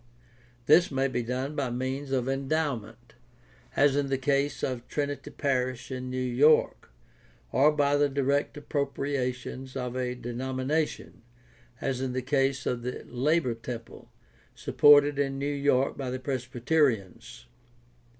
This may be done by means of endowment, as in the case of Trinity Parish in New York, or by the direct appropriations of a denomination, as in the case of the Labor Temple, supported in New York by the Presbyterians.